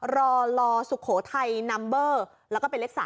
รอลสุโขทัยนัมเบอร์แล้วก็เป็นเลข๓